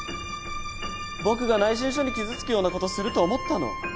僕が内申書に傷つくようなことすると思ったの？